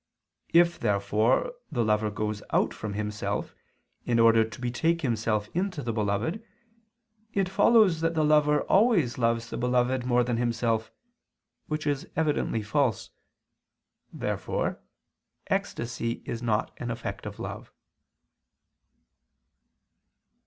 If, therefore, the lover goes out from himself, in order to betake himself into the beloved, it follows that the lover always loves the beloved more than himself: which is evidently false. Therefore ecstasy is not an effect of love.